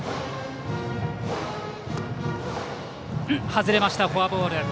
外れました、フォアボール。